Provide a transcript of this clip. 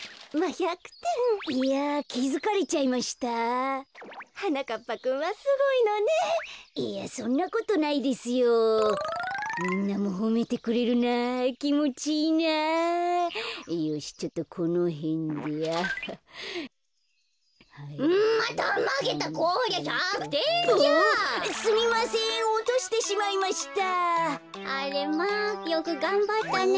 あれまあよくがんばったね。